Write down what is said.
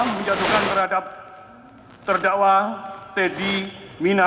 menjatuhkan terhadap terdakwa teddy mina